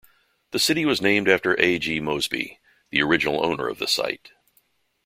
The city was named after A. G. Mosby, the original owner of the site.